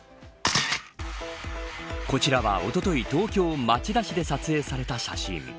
こちらは、おととい東京、町田市で撮影された写真。